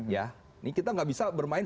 ya ini kita enggak bisa bermain